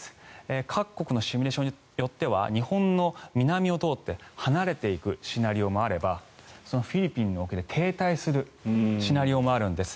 各国のシミュレーションによっては日本の南を通って離れていくシナリオもあればフィリピンの沖で停滞するシナリオもあるんです。